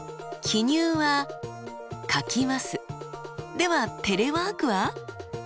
では「テレワーク」は？